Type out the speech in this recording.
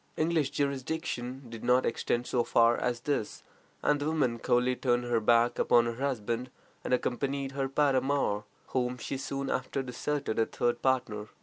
English jurisdiction did not extend so far as this, and the woman coolly turned her back upon her husband and accompanied her paramour, whom she soon after deserted for a third partner.